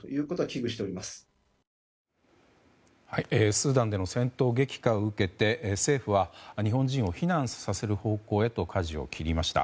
スーダンでの戦闘激化を受けて政府は日本人を避難させる方向へとかじを切りました。